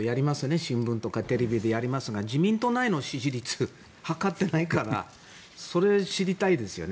新聞とかテレビのアンケートをやりますが自民党内の支持率は測っていないからそれを知りたいですよね。